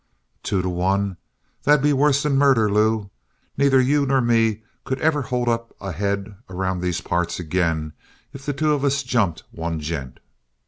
"Two to one. That'd be worse'n murder, Lew. Neither you nor me could ever hold up a head around these parts again if the two of us jumped one gent."